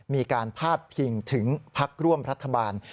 มีการพาดพิงถึงพักร่วมรัฐบาล